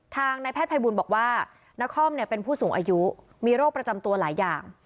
นายแพทย์ภัยบูลบอกว่านครเป็นผู้สูงอายุมีโรคประจำตัวหลายอย่าง